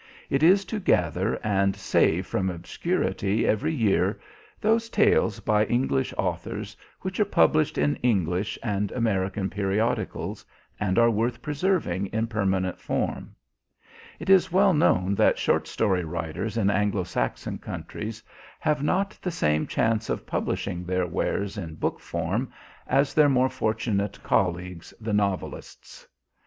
It is to gather and save from obscurity every year those tales by English authors which are published in English and American periodicals and are worth preserving in permanent form. It is well known that short story writers in Anglo Saxon countries have not the same chance of publishing their wares in book form as their more fortunate colleagues, the novelists.